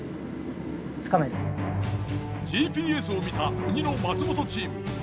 ＧＰＳを見た鬼の松本チーム。